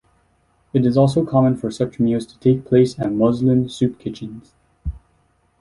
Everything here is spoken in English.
It is also common for such meals to take place at Muslim soup kitchens.